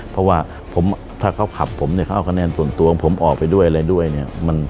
เพราะว่าถ้าเขาขับผมเนี่ยเขาเอาคะแนนส่วนตัวของผมออกไปด้วยอะไรด้วยเนี่ย